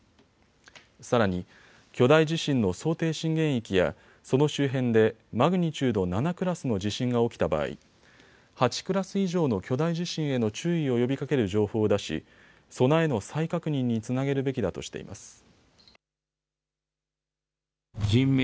さらに巨大地震の想定震源域やその周辺でマグニチュード７クラスの地震が起きた場合、８クラス以上の巨大地震への注意を呼びかける情報を出し備えの再確認につなげるべきだとしています。